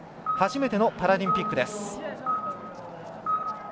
初めてのパラリンピックです。